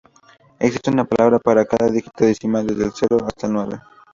Existe una palabra para cada dígito decimal desde el cero hasta el nueve.